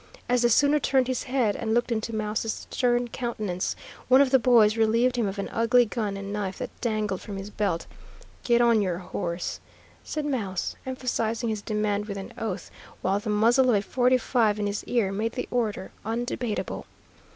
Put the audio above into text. As the sooner turned his head and looked into Mouse's stern countenance, one of the boys relieved him of an ugly gun and knife that dangled from his belt. "Get on your horse," said Mouse, emphasizing his demand with an oath, while the muzzle of a forty five in his ear made the order undebatable.